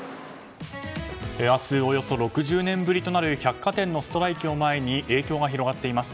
明日、およそ６０年ぶりとなる百貨店のストライキを前に影響が広がっています。